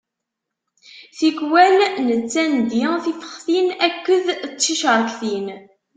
Tikwal nettandi tifextin akked ticeṛktin.